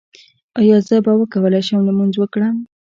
ایا زه به وکولی شم لمونځ وکړم؟